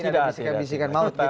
oh tidak tidak